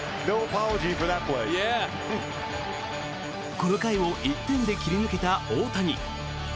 この回を１点で切り抜けた大谷。